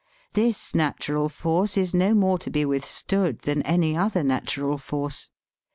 This natural force is no more to be withstood than any other natural force.